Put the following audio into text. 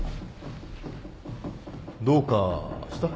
どうかした？